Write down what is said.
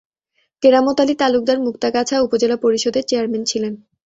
কেরামত আলী তালুকদার মুক্তাগাছা উপজেলা পরিষদের চেয়ারম্যান ছিলেন।